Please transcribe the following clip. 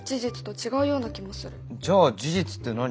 じゃあ事実って何？